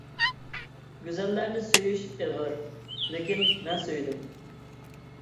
گۈزەللەرنى سۆيۈش ئېغىر، لېكىن مەن سۆيدۈم.